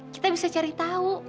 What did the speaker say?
kita bisa cari tahu